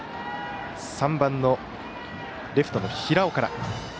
３番のレフトの平尾から。